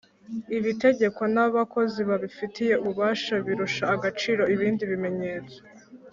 Ibitegekwa nabakozi babifitiye ububasha birusha agaciro ibindi bimenyetso